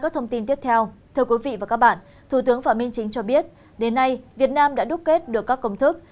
thưa quý vị và các bạn thủ tướng phạm minh chính cho biết đến nay việt nam đã đúc kết được các công thức